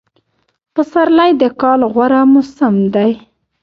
پسرلی دکال غوره موسم دی